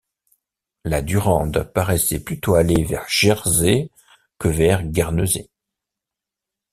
La Durande paraissait plutôt aller vers Jersey que vers Guernesey.